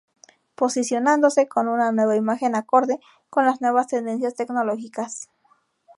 Posicionándose con una nueva imagen acorde con las nuevas tendencias tecnológicas.